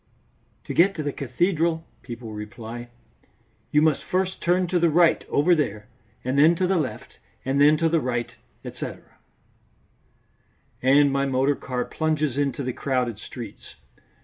"To get to the cathedral," people reply, "you must first turn to the right over there, and then to the left, and then to the right, etc." And my motor car plunges into the crowded streets.